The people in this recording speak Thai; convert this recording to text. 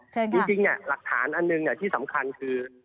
จริงหลักฐานอันหนึ่งที่สำคัญคือ